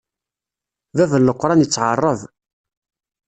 Bab n leqṛan ittɛaṛṛeb.